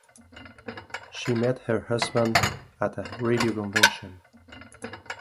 She met her husband at a radio convention.